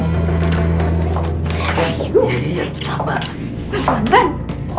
ya udah yuk kita pergi sekarang